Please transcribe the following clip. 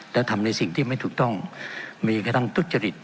และทำในสิ่งที่ไม่ถูกต้องมีกระทั่งทุจริต